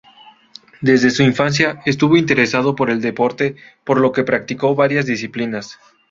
Desde su infancia estuvo interesado por el deporte, por lo que practicó varias disciplinas.